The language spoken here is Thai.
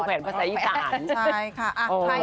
แฟนส่วนอีกกราน